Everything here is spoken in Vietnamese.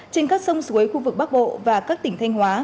trên các sông suối khu vực bắc bộ và các tỉnh thanh hóa